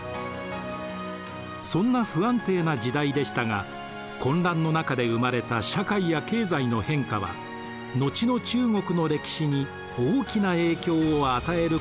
そんな不安定な時代でしたが混乱の中で生まれた社会や経済の変化は後の中国の歴史に大きな影響を与えることになるのです。